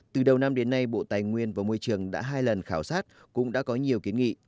từ đầu năm đến nay bộ tài nguyên và môi trường đã hai lần khảo sát cũng đã có nhiều kiến nghị